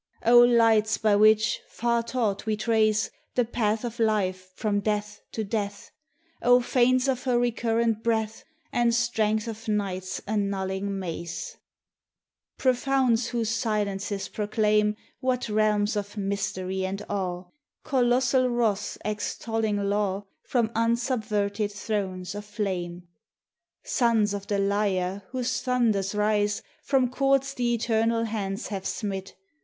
O lights by which, far taught, we trace The path of Life from death to death! O fanes of her recurrent breath, And strength of Night's annulling mace ! Profounds whose silences proclaim What realms of mystery and awe! Colossal Wraths extolling Law From unsubverted thrones of flame! Suns of the Lyre whose thunders rise From chords the eternal Hands have smit!